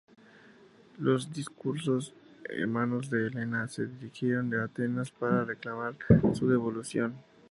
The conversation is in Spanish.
Los Dioscuros, hermanos de Helena, se dirigieron a Atenas para reclamar su devolución.